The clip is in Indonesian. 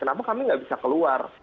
kenapa kami nggak bisa keluar